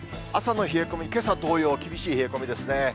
朝の冷え込み、けさ同様、厳しい冷え込みですね。